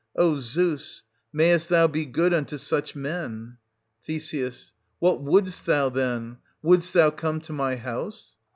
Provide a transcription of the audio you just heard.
O Zeus, mayest thou be good unto such men ! Th. What wouldst thou, then 1 wouldst thou come to my house